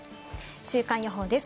週間予報です。